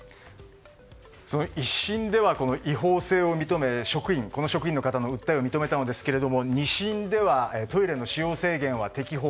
１審では違法性を認めこの職員の方の訴えを認めたんですけれども２審ではトイレの使用制限は適法。